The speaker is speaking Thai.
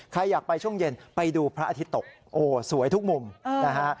ใครอยากไปช่วงเย็นไปดูพระอาทิตย์ตกโอ้สวยทุกมุมนะฮะ